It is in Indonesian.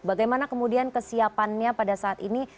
bagaimana kemudian kesiapannya pada saat ini